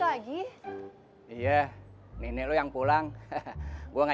apakah kiriman ini sudah berhasil bergusia